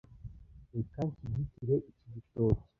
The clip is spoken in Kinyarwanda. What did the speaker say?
Reka nshyigikire iki gitoki